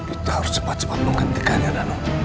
kita harus cepat cepat menghentikan ya dano